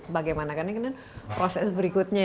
bagaimana karena proses berikutnya